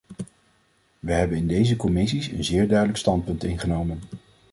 We hebben in deze commissies een zeer duidelijk standpunt ingenomen.